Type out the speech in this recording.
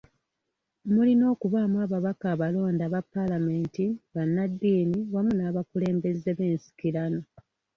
Mulina okubaamu ababaka abalonde aba Palamenti, bannaddiini wamu n'abakulembeze b'ensikirano.